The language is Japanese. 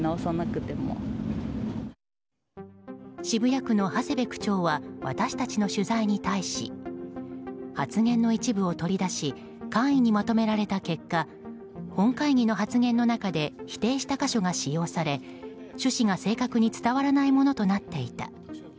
渋谷区の長谷部区長は私たちの取材に対し発言の一部を取り出し簡易にまとめられた結果本会議の発言の中で否定した箇所が使用され趣旨が正確に伝わらないものとなっていた。